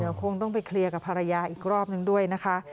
เดี๋ยวคงต้องไปเคลียร์กับภรรยาอีกรอบนึงด้วยนะคะ